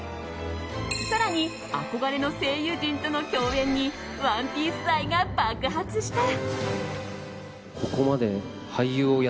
更に、憧れの声優陣との共演に「ＯＮＥＰＩＥＣＥ」愛が爆発した。